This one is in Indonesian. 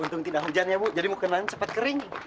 untung tidak hujan ya bu jadi makanan cepat kering